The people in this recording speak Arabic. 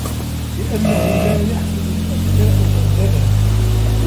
لِأَنَّهُ لَا يَحْسُدُ الْأَكْفَاءُ مَنْ دَنَا